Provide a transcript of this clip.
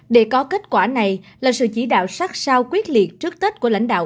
để có kết quả này là sự chỉ đạo sát sao quyết liệt trước tết của lãnh đạo